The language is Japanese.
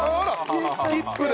スキップで。